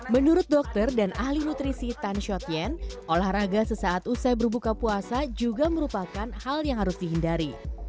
menurut dokter dan ahli nutrisi tan shot yen olahraga sesaat usai berbuka puasa juga merupakan hal yang harus dihindari